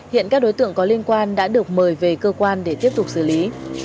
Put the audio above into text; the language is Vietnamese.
hiện các đối tượng có liên quan đã được mời về cơ quan để tiếp tục xử lý